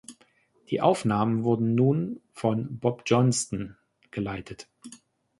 Die Aufnahmen wurden nun von Bob Johnston geleitet.